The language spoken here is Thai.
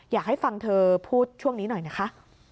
อยากให้ฟังเธอพูดช่วงนี้หน่อยนะคะ